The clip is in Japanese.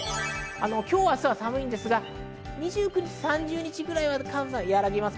今日、明日は寒いんですが２９、３０日は寒さが和らぎます。